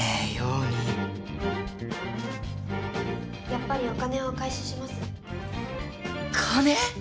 やっぱりお金はお返しします